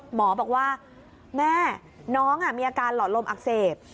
หมอบอกว่าแม่น้องมีอาการหลอดลมอักเสบ